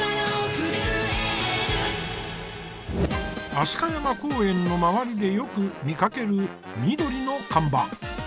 飛鳥山公園の周りでよく見かける緑の看板。